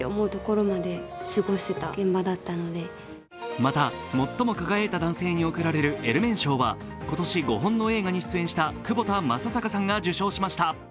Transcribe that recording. また最も輝いた男性に贈られるエルメン賞は今年５本の映画に出演した窪田正孝さんが受賞しました。